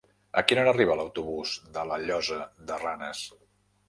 A quina hora arriba l'autobús de la Llosa de Ranes?